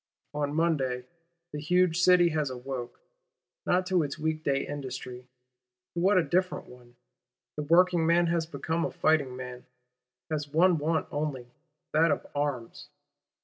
On Monday the huge City has awoke, not to its week day industry: to what a different one! The working man has become a fighting man; has one want only: that of arms.